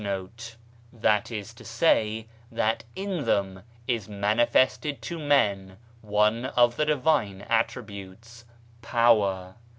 * That is to say, that in them is manifested to men one of the Divine Attributes — power.